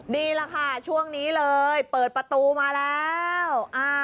นี่แหละค่ะช่วงนี้เลยเปิดประตูมาแล้ว